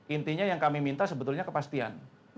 intinya yang kami minta sebetulnya kepastian